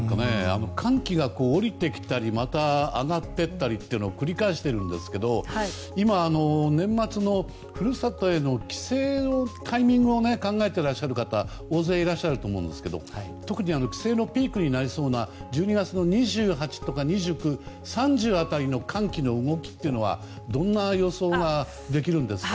寒気が下りてきたりまた上がっていったりというのを繰り返しているんですけど今、年末の故郷への帰省のタイミングを考えていらっしゃる方大勢いらっしゃると思うんですが特に帰省のピークになりそうな１２月２８日とか２９日３０日辺りの寒気の動きはどんな予想ができるんですか？